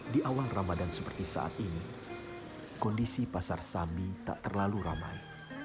di awal ramadan seperti saat ini kondisi pasar sambi tak terlalu ramai